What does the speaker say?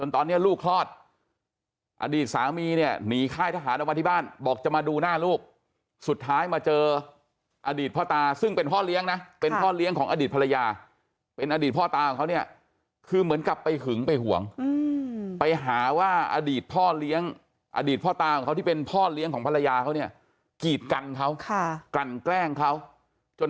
ตอนนี้ลูกคลอดอดีตสามีเนี่ยหนีค่ายทหารออกมาที่บ้านบอกจะมาดูหน้าลูกสุดท้ายมาเจออดีตพ่อตาซึ่งเป็นพ่อเลี้ยงนะเป็นพ่อเลี้ยงของอดีตภรรยาเป็นอดีตพ่อตาของเขาเนี่ยคือเหมือนกับไปหึงไปห่วงไปหาว่าอดีตพ่อเลี้ยงอดีตพ่อตาของเขาที่เป็นพ่อเลี้ยงของภรรยาเขาเนี่ยกีดกันเขากลั่นแกล้งเขาจน